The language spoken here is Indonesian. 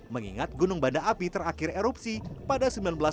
mengingat gunung banda api terakhir erupsi pada seribu sembilan ratus sembilan puluh